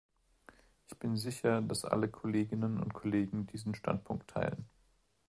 Ich bin sicher, dass alle Kolleginnen und Kollegen diesen Standpunkt teilen.